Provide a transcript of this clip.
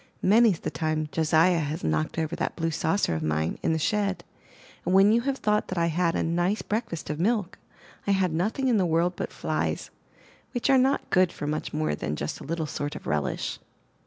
Many*s the time Josiah has knocked over that blue saucer of mine, in the shed, 320 IN THE NURSERY and when you have thought that I had a nice breakfast of milk, I had nothing in the world but flies, which are not good for much more than just a little sort of relish.